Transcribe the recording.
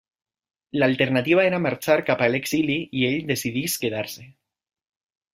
L'alternativa era marxar cap a l’exili i ell decideix quedar-se.